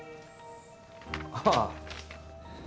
ああ。